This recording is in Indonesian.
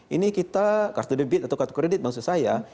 ini kita kartu debit atau kartu kredit maksud saya